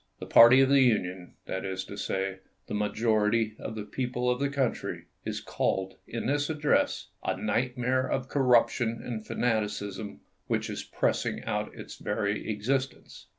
The party of the Union — that is to say, the majority of the people of the country — is called in this address " a nightmare of corruption and fanaticism which is pressing out its very existence."